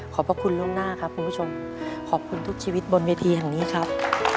พระคุณล่วงหน้าครับคุณผู้ชมขอบคุณทุกชีวิตบนเวทีแห่งนี้ครับ